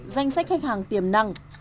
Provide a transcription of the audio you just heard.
danh sách khách hàng tiềm năng